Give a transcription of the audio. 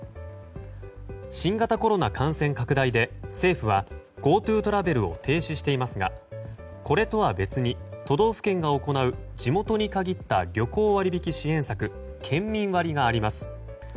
新型コロナ感染拡大で政府はＧｏＴｏトラベルを停止していますがこれとは別に都道府県が行う地元に限った旅行割引支援策県民割があります。